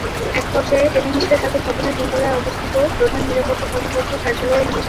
একপর্যায়ে টেনেহিঁচড়ে তাঁকে ভবনের তিনতলায় অবস্থিত প্রধান নিরাপত্তা কর্মকর্তার কার্যালয়ে নিয়ে যান।